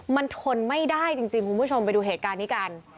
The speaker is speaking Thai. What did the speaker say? มันทนไม่ได้จริงคุณผู้ชมไปดูเหตุการณ์นี้กัน